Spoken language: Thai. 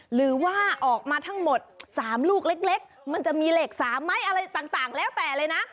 หรือว่าออกมาทั้งหมด๓ลูกเล็กมันจะมีเหล็ก๓ไหมอะไรต่างแล้วแต่เลยนะ